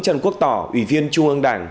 trần quốc tỏ ủy viên trung ương đảng